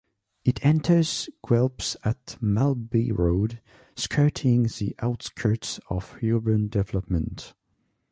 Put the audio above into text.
It enters Guelph at Maltby Road, skirting the outskirts of urban development.